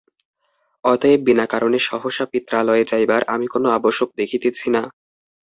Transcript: অতএব বিনা কারণে সহসা পিত্রালয়ে যাইবার আমি কোন আবশ্যক দেখিতেছি না।